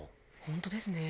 本当ですね。